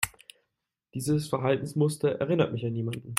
Dieses Verhaltensmuster erinnert mich an jemanden.